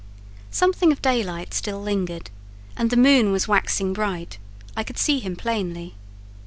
Something of daylight still lingered, and the moon was waxing bright: I could see him plainly.